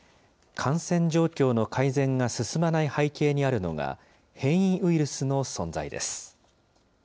感染状況の改善が進まない背景にあるのが、変異ウイルスの存在です。